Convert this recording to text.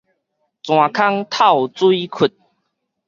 泉空透水窟